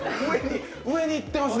上に行ってますね。